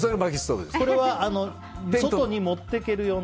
これは外に持っていける用の？